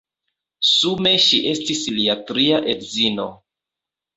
Sume ŝi estis lia tria edzino.